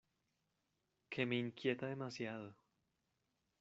que me inquieta demasiado.